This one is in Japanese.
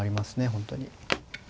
本当に。